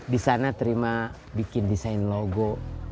disana terima bikin desain logo